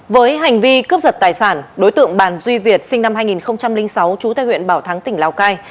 với hành vi cướp giật tài sản đối tượng bàn duy việt sinh năm hai nghìn sáu trú tại huyện bảo thắng tỉnh lào cai